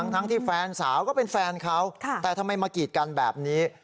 ทั้งที่แฟนสาวก็เป็นแฟนเขาแต่ทำไมมากีดกันแบบนี้